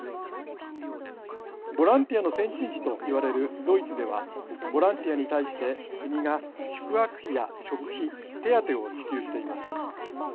ボランティアの先進地と言われるドイツではボランティアに対して国が宿泊費や食費手当を支給しています。